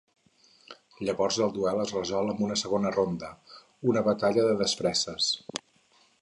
Llavors el duel es resol amb una segona ronda, una batalla de desfresses.